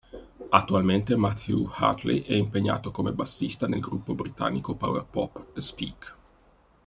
Attualmente Matthieu Hartley è impegnato come bassista nel gruppo britannico Power pop The Speak.